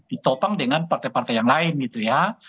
ditopang dengan partai partai yang lain gitu ya